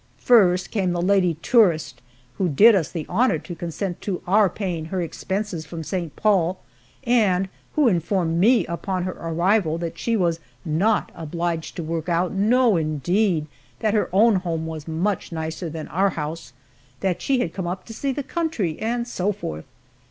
First came the lady tourist who did us the honor to consent to our paying her expenses from St. Paul, and who informed me upon her arrival that she was not obliged to work out no indeed that her own home was much nicer than our house that she had come up to see the country, and so forth.